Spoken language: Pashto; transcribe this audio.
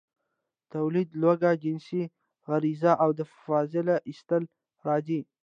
، توليد، لوږه، جنسي غريزه او د فضله ايستل راځي.